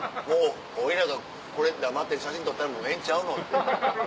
俺らがこれ黙って写真撮ったらもうええんちゃうの？